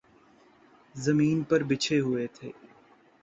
زمین پر بچھے ہوئے تھے۔